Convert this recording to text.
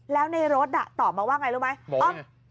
แล้วในรถตอบมาว่าไงรู้ไหม